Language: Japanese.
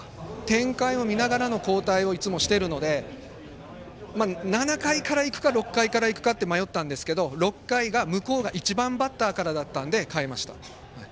展開を見ながらの交代をいつもしているので７回から行くか、６回からか迷ったんですけども６回は向こうが１番バッターからだったので代えました。